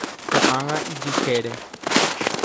Ko'ág̃a ijykére.